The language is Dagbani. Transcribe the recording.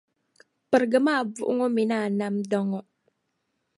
Pirigim’ a buɣu ŋɔ min’ a namda ŋɔ.